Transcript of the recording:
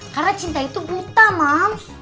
karena cinta itu buta mams